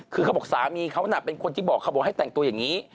คือเขาบอกสามีเขาน่ะเป็นคนที่บอกเขาบอกให้แต่งตัวอย่างนี้